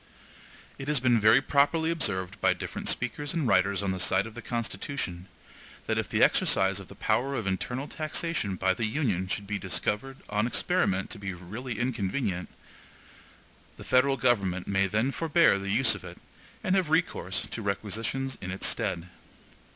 It has been very properly observed by different speakers and writers on the side of the Constitution, that if the exercise of the power of internal taxation by the Union should be discovered on experiment to be really inconvenient, the federal government may then forbear the use of it, and have recourse to requisitions in its stead.